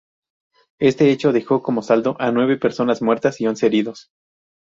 Este hecho dejó como saldo a nueve personas muertas y once heridos.